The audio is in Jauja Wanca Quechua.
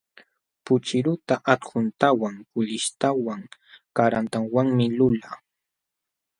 Puchiruta akhuntawan, kuulishtawan, karantawanmi lulaa.